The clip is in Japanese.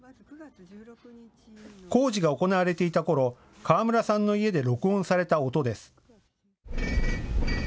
工事が行われていたころ、河村さんの家で録音された音です。